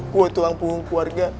gue tulang punggung keluarga